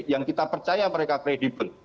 yang kita percaya mereka kredibel